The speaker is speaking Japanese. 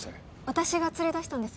私が連れ出したんです。